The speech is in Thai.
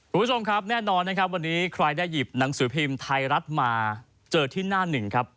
คุณผู้ชมครับแน่นอนนะครับวันนี้ใครได้หยิบหนังสือพิมพ์ไทยรัฐมาเจอที่หน้าหนึ่งครับ